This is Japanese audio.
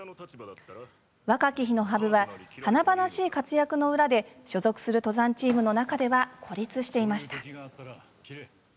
若き日の羽生は華々しい活躍の裏で所属する登山チームの中では孤立していました。